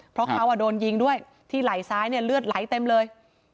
เพราะเขาโดนยิงด้วยที่ไหล่ซ้ายเนี่ยเลือดไหลเต็มเลย